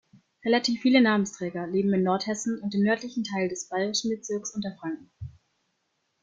Relativ viele Namensträger leben in Nordhessen und im nördlichen Teil des bayerischen Bezirks Unterfranken.